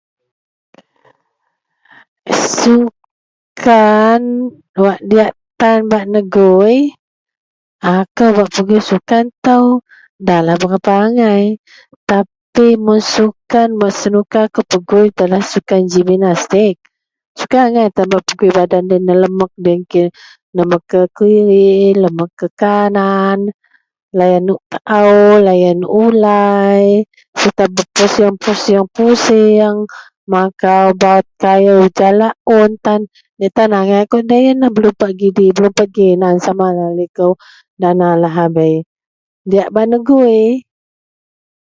sukkan wak diyak tan bak negui, akou bak pegui sukan itou dalah berapa agai, tapi mun sukan wak nesuka kou pegui adalah sukan giminastik, suka agai tan bak pegui badan loyien nelemek loyien ke, lemek kekiri lemek kekanan, layan taau layan ulai, sempet berpusing, pusing-pusing, makau gak kayou jalak un tan, diyak tan agai deloyien, belumpet gidei belumpet ginan samalah liko dana lahabei, diyak bak negui